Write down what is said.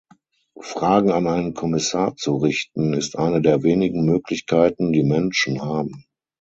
Fragen an einen Kommissar zu richten, ist eine der wenigen Möglichkeiten, die Menschen haben.